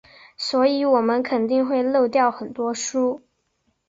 所以我们肯定会漏掉很多书。